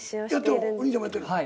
お兄ちゃんもやってるの？